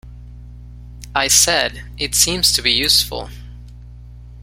I said, It seems to be useful.